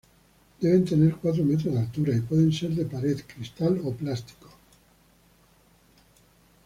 Deben tener cuatro metros de altura y pueden ser de pared, cristal o plástico.